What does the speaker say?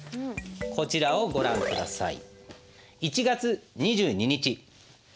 こちらをご覧下さい。